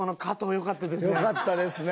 よかったですね。